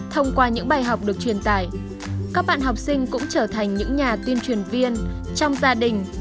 thông qua những bài học được truyền tải các bạn học sinh cũng trở thành những nhà tuyên truyền viên trong gia đình